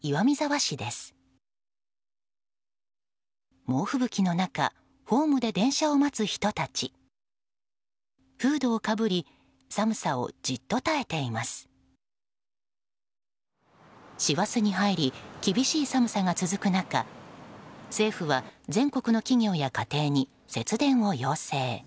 師走に入り厳しい寒さが続く中政府は全国の企業や家庭に節電を要請。